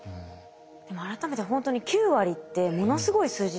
でも改めてほんとに９割ってものすごい数字ですよね。